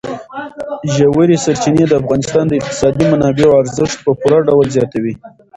ژورې سرچینې د افغانستان د اقتصادي منابعو ارزښت په پوره ډول زیاتوي.